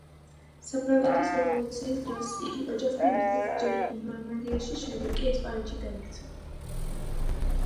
საფრანგეთის რევოლუციის დროს იგი ოჯახთან ერთად ჯერ ნორმანდიაში, შემდეგ კი ესპანეთში გაიქცა.